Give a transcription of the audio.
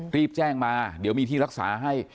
รีบแจ้งมาเดี๋ยวมีที่รักษาให้